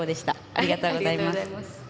ありがとうございます。